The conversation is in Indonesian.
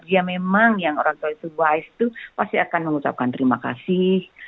ya memang yang orang tua itu wise itu pasti akan mengucapkan terima kasih